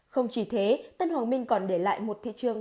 không chỉ thế tân hoàng minh còn để lại một thị trường